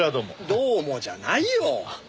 どうもじゃないよ！